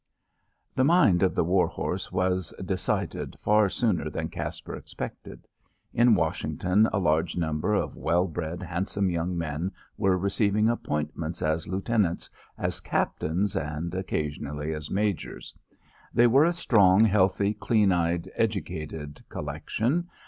The mind of the war horse was decided far sooner than Caspar expected. In Washington a large number of well bred handsome young men were receiving appointments as Lieutenants, as Captains, and occasionally as Majors. They were a strong, healthy, clean eyed educated collection.